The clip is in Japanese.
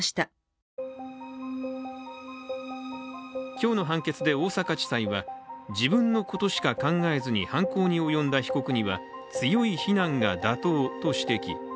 今日の判決で大阪地裁は自分のことしか考えずに犯行に及んだ被告には強い非難が妥当と指摘。